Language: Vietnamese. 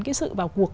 cái sự vào cuộc